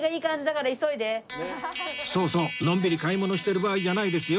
そうそうのんびり買い物してる場合じゃないですよ